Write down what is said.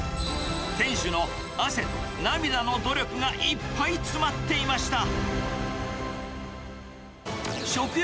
店主の汗と涙の努力がいっぱい詰まっていました。